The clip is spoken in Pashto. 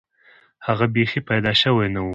هغه بیخي پیدا شوی نه دی.